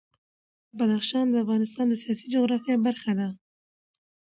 بدخشان د افغانستان د سیاسي جغرافیه برخه ده.